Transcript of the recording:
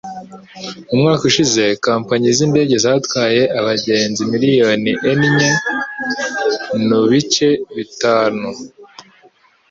Mu mwaka ushize kompanyi z'indege zatwaye abagenzi miliyari enye nubice bitanu